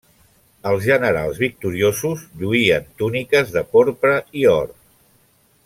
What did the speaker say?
Els generals victoriosos lluïen túniques de porpra i or.